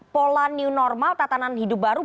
pola new normal tatanan hidup baru